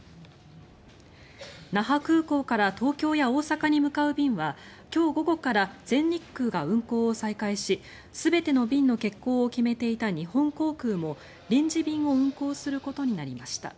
那覇空港から東京や大阪に向かう便は今日午後から全日空が運航を再開し全ての便の欠航を決めていた日本航空も臨時便を運航することになりました。